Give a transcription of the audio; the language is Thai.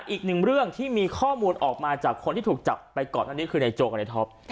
อีกหนึ่งเรื่องที่มีข้อมูลออกมาจากคนที่ถูกจับไปก่อนกันหนิคือโจ๊ะกระเทศทอม